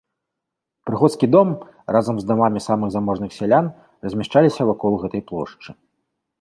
Прыходскі дом, разам з дамамі самых заможных сялян, размяшчаліся вакол гэтай плошчы.